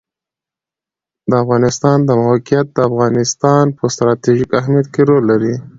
د افغانستان د موقعیت د افغانستان په ستراتیژیک اهمیت کې رول لري.